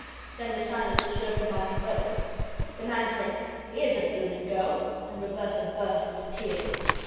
Then the silence was broken by them both. The man said, "Here's a bloomin' go!" and Roberta burst into tears.